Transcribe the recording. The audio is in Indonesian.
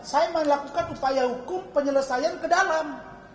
saya melakukan upaya hukum penyelesaian ke dalam